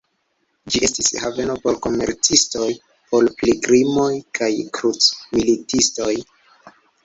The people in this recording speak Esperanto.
Ĝi estis haveno por komercistoj, por pilgrimoj kaj krucmilitistoj.